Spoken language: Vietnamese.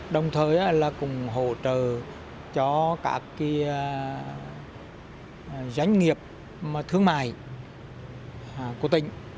đồng thời là cũng hỗ trợ cho các cái doanh nghiệp thương mại của tỉnh